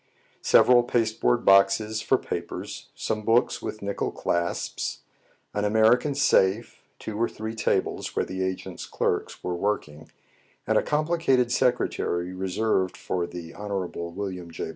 Several paste board boxes for papers, some books with nickel THE OFFICES OF THE ''CENTENARY:' 59 clasps, an American safe, two or three tables where the agent's clerks were working, and a complicated secretary reserved for the Honorable William J.